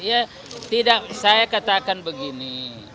ya tidak saya katakan begini